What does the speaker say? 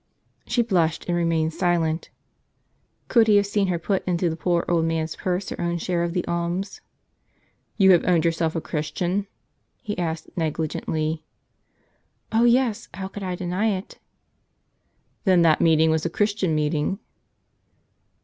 " She blushed and remained silent. Could he have seen her put into the poor old man's purse her own share of the alms ?" Tou have owned yourself a Christian ?" he asked negli gently. " Oh, yes ! how could I deny it? " "Then that meeting was a Christian meeting?"